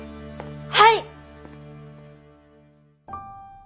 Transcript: はい！